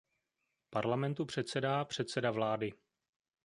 Parlamentu předsedá předseda vlády.